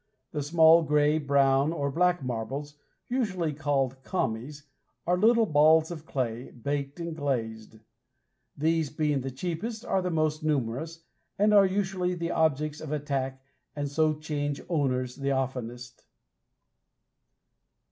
The small gray, brown or black marbles, usually called "commies," are little balls of clay, baked and glazed. These, being the cheapest, are the most numerous, and are usually the objects of attack, and so change owners the oftenest.